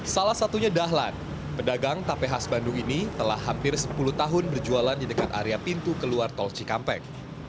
salah satunya dahlan pedagang tape khas bandung ini telah hampir sepuluh tahun berjualan di dekat area pintu keluar tol cikampek